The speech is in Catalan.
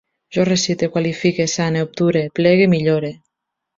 Jo recite, quilifique, sane, obture, plegue, millore